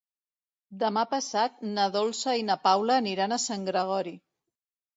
Demà passat na Dolça i na Paula aniran a Sant Gregori.